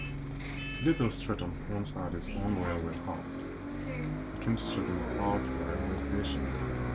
Little Stretton once had its own railway halt: Little Stretton Halt railway station.